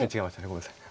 ごめんなさい。